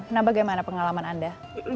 nah bagaimana pengalaman anda